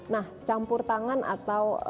nah campur tangan atau